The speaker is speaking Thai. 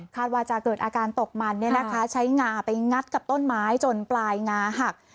ว่าจะเกิดอาการตกมันใช้งาไปงัดกับต้นไม้จนปลายงาหัก